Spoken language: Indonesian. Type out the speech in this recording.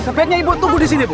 sebaiknya ibu tunggu disini bu